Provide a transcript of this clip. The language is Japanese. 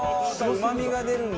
うまみが出るんだ！